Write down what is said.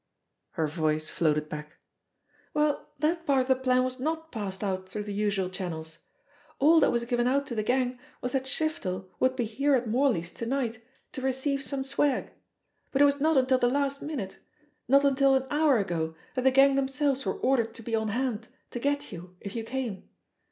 Her voice floated back. "Well, that part of the plan was not passed out through the usual channels. All that was given out to the gang was that Shiftel would be here at Morley's to night to receive some swag; but it was not until the last minute, not until an hour ago that the gang themselves were ordered to be on hand to get you if you came.